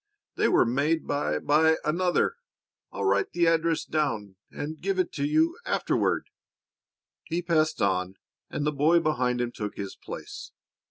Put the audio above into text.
"They were made by by another I'll write the address down, and and give it to you afterward." He passed on, and the boy behind him took his place.